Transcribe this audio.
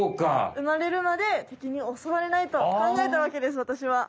うまれるまで敵に襲われないと考えたわけですわたしは。